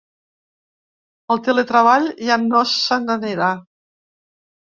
El teletreball ja no se n’anirà.